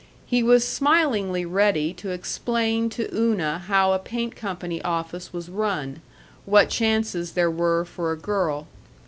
He was smilingly ready to explain to Una how a paint company office was run; what chances there were for a girl.